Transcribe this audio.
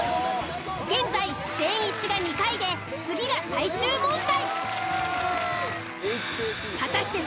現在全員一致が２回で次が最終問題。